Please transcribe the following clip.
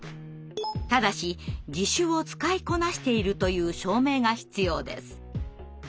ただし「義手を使いこなしている」という証明が必要です。